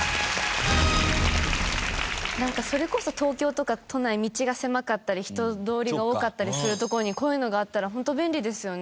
なんかそれこそ東京とか都内道が狭かったり人通りが多かったりする所にこういうのがあったらホント便利ですよね。